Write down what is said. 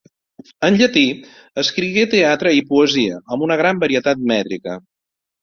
En llatí escrigué teatre i poesia, amb una gran varietat mètrica.